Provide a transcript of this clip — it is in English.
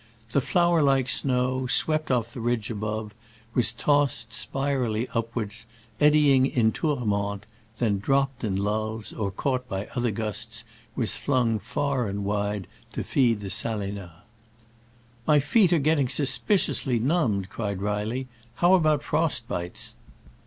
The fiour hke snow, swept off the ridge above, was tossed spirally upward, eddying in tourmentes, then, dropped in lulls or caught by other gusts, was fiung far and wide to feed the Saleinoz. "My feet are getting suspiciously numbed," cried Reilly: "how about frost bites